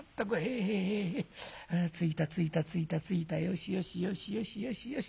あついたついたついたついたよしよしよしよしよしよし。